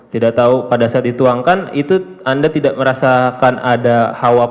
tidak tahu pada saat dituangkan itu anda tidak merasakan ada hawa